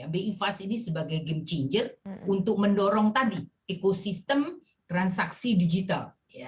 bi fast ini sebagai game changer untuk mendorong tadi ekosistem transaksi digital